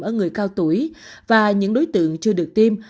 ở người cao tuổi và những đối tượng chưa được tiêm